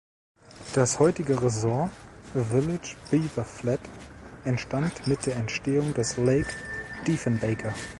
Das heutige Resort Village Beaver Flat entstand mit der Entstehung des Lake Diefenbaker.